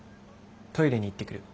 トイレに行ってくる。